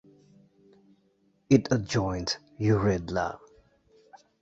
It adjoins Uraidla.